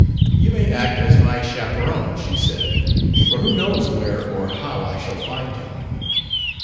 "You may act as my chaperon," she said; "for who knows where or how I shall find him?"